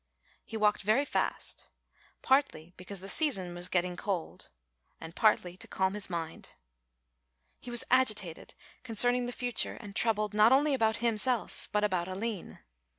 He walked very fast, partly because the season was getting cold and partly to calm his mind. He was agitated concerning the future and troubled not only about himself but about Aline.